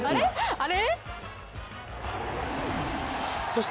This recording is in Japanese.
あれ？